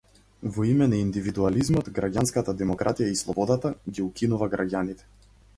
Во име на индивидуализмот, граѓанската демократија и слободата - ги укинува граѓаните.